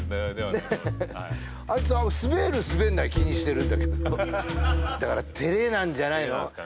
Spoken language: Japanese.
ねっあいつスベるスベらない気にしてるんだけどだから照れなんじゃないの？